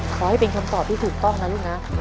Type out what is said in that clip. ขอให้เป็นคำตอบที่ถูกต้องนะลูกนะ